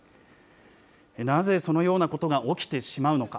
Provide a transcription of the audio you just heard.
なぜそのようなことが起きてしまうのか。